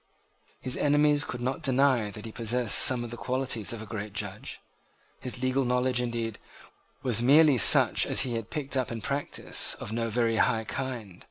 His enemies could not deny that he possessed some of the qualities of a great judge. His legal knowledge, indeed, was merely such as he had picked up in practice of no very high kind.